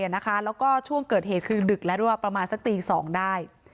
แล้วก็ช่วงเกิดเหตุคือดึกแล้วด้วยประมาณสักตี๒ได้